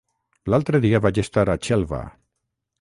L'altre dia vaig estar a Xelva.